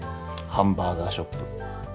ハンバーガーショップ。